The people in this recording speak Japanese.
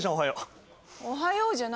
「おはよう」じゃないですよ。